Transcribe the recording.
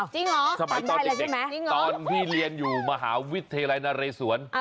จริงเหรอสมัยตอนเด็กตอนที่เรียนอยู่มหาวิทยาลัยนเรศวร